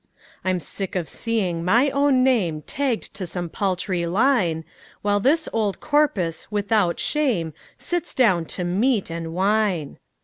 I'm sick of seeing my own name Tagged to some paltry line, While this old corpus without shame Sits down to meat and wine.